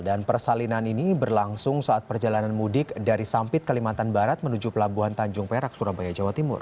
dan persalinan ini berlangsung saat perjalanan mudik dari sampit kalimantan barat menuju pelabuhan tanjung perak surabaya jawa timur